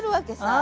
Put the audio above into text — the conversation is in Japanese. あ！